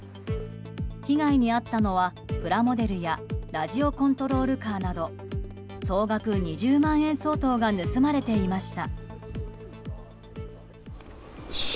被害に遭ったのはプラモデルやラジオコントロールカーなど総額２０万円相当が盗まれていました。